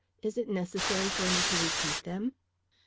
Is it necessary for me to repeat them?"